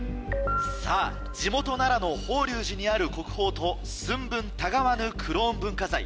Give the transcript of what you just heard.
さぁ地元奈良の法隆寺にある国宝と寸分たがわぬクローン文化財。